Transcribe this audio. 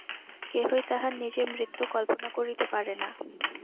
কেহই তাহার নিজের মৃত্যু কল্পনা করিতে পারে না।